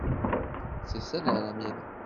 C’est celle-là la mienne.